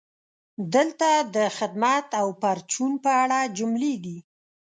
دلته د "خدمت او پرچون" په اړه جملې دي: